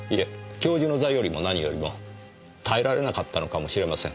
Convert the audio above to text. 教授の座よりも何よりも耐えられなかったのかもしれません。